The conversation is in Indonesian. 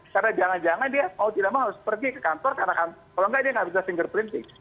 karena jangan jangan dia mau tidak mau harus pergi ke kantor karena kalau tidak dia tidak bisa fingerprinting